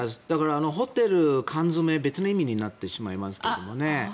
ホテル缶詰め別の意味になってしまいますけどね。